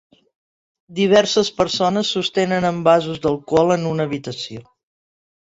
Diverses persones sostenen envasos d'alcohol en una habitació.